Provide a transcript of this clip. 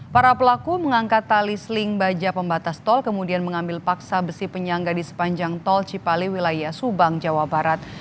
para pelaku mengangkat tali seling baja pembatas tol kemudian mengambil paksa besi penyangga di sepanjang tol cipali wilayah subang jawa barat